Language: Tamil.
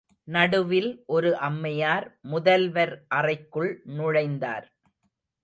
நடுவில் ஒரு அம்மையார், முதல்வர் அறைக்குள் நுழைந்தார்.